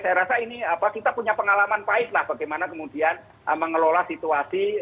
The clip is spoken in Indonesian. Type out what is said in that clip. saya rasa ini kita punya pengalaman pahit lah bagaimana kemudian mengelola situasi